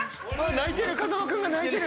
泣いてる風間君が泣いてる。